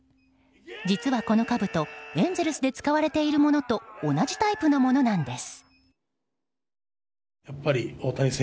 実は、このかぶとエンゼルスで使われているものと同じタイプのものなんです。